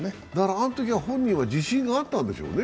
あのときは本人は自信があったんでしょうね？